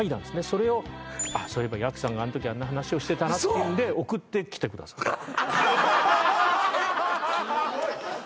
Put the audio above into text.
それをそういえばやくさんがあんな話をしてたなっていうんで送ってきてくださったえっ！